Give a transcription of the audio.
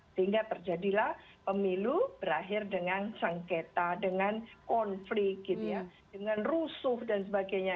sehingga terjadilah pemilu berakhir dengan sengketa dengan konflik gitu ya dengan rusuh dan sebagainya